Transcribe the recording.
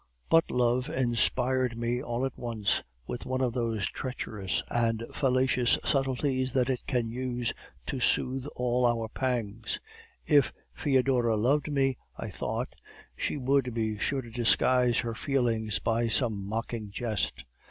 But love inspired me all at once, with one of those treacherous and fallacious subtleties that it can use to soothe all our pangs. "If Foedora loved me, I thought, she would be sure to disguise her feelings by some mocking jest.